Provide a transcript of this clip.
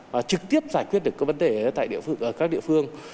và trực tiếp giải quyết được các vấn đề ở các địa phương